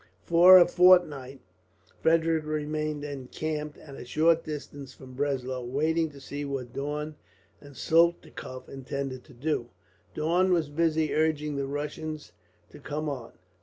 For a fortnight Frederick remained encamped, at a short distance from Breslau, waiting to see what Daun and Soltikoff intended to do. Daun was busy urging the Russians to come on.